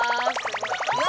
うわ！